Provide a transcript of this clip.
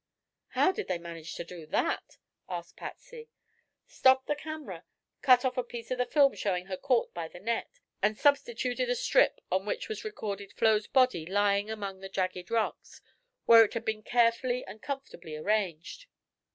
"How did they manage to do that?" asked Patsy. "Stopped the camera, cut off the piece of film showing her caught by the net, and substituted a strip on which was recorded Flo's body lying among the jagged rocks, where it had been carefully and comfortably arranged.